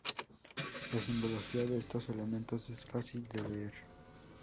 La simbología de estos elementos es fácil de "leer".